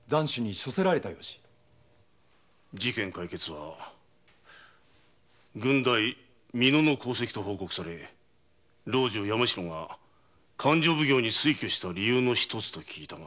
事件解決は郡代美濃の功績と報告され老中山代が勘定奉行に推挙した理由の一つと聞いたが。